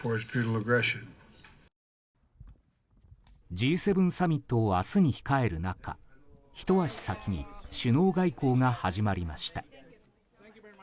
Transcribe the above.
Ｇ７サミットを明日に控える中ひと足先に首脳外交が始まりました。